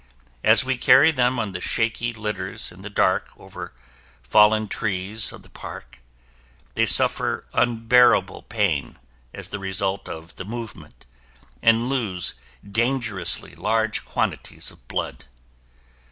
As we carry them on the shaky litters in the dark over fallen trees of the park, they suffer unbearable pain as the result of the movement, and lose dangerously large quantities of blood.